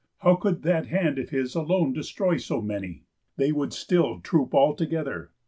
How could that hand of his Alone destroy so many? They would still Troop all together.